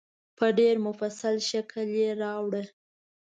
په ډېر مفصل شکل یې راوړه.